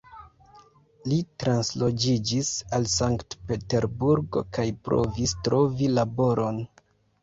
Li transloĝiĝis al Sankt-Peterburgo kaj provis trovi laboron.